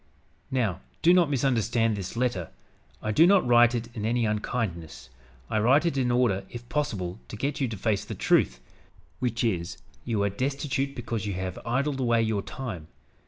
"Now do not misunderstand this letter. I do not write it in any unkindness. I write it in order, if possible, to get you to face the truth, which truth is, you are destitute because you have idled away your time.